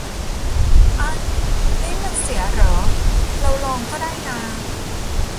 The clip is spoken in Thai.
อ๊ะ ลิงก์มันเสียเหรอ เราลองก็ได้นา